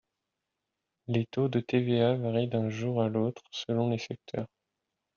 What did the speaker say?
Les taux de TVA varient d’un jour à l’autre selon les secteurs.